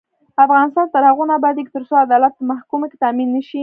افغانستان تر هغو نه ابادیږي، ترڅو عدالت په محکمو کې تامین نشي.